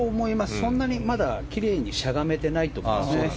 そんなにきれいにしゃがめていないと思います。